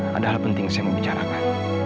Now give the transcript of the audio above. padahal penting saya mau bicarakan